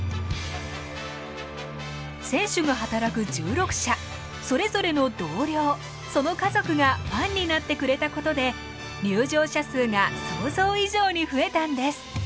選手が働く１６社それぞれの同僚その家族がファンになってくれたことで入場者数が想像以上に増えたんです。